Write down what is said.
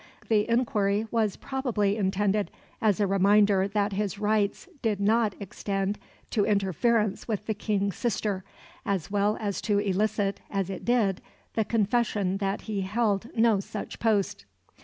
The inquiry was probably intended as a reminder that his rights did not extend to interference with the King's sister, as well as to elicit, as it did, the confession that he held no such post.